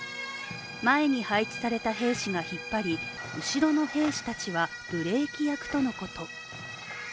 前に配置された兵士が引っ張り、後ろの兵士たちはブレーキ役ということ。